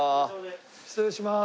失礼します。